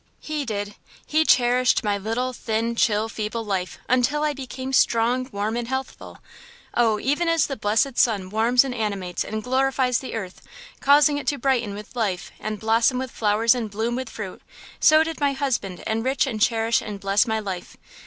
He did; he cherished my little, thin, chill, feeble life until I became strong, warm and healthful. Oh! even as the blessed sun warms and animates and glorifies the earth, causing it to brighten with life and blossom with flowers and bloom with fruit, so did my husband enrich and cherish and bless my life!